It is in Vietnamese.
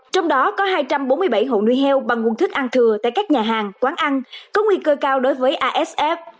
trong đó có hai trăm bốn mươi bảy hộ nuôi heo bằng nguồn thức ăn thừa tại các nhà hàng quán ăn có nguy cơ cao đối với asf